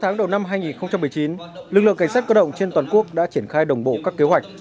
năm hai nghìn một mươi chín lực lượng cảnh sát cơ động trên toàn quốc đã triển khai đồng bộ các kế hoạch